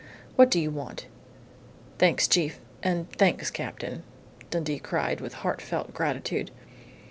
What do you want?" "Thanks, chief! And thanks, Captain!" Dundee cried, with heartfelt gratitude.